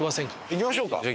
行きましょうか。